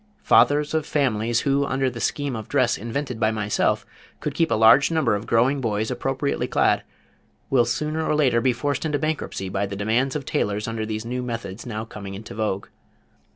Fathers of families who, under the scheme of dress invented by myself, could keep a large number of growing boys appropriately clad, will sooner or later be forced into bankruptcy by the demands of tailors under these new methods now coming into vogue.